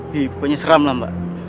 pokoknya seram lah mbak